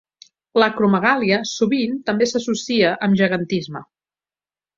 L'acromegàlia sovint també s'associa amb gegantisme.